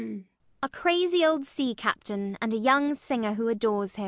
A crazy old sea captain and a young singer who adores him.